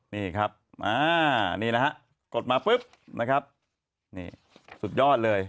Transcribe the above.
นี่ครับนี่นะครับกดมาปุ๊บสุดยอดเลย